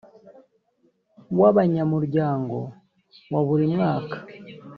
w abanyamuryango wa buri mwaka